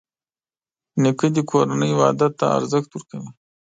نیکه د کورنۍ وحدت ته ارزښت ورکوي.